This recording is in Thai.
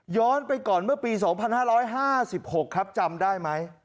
ย้อนไปก่อนเมื่อปีสองพันห้าร้อยห้าสิบหกครับจำได้ไหม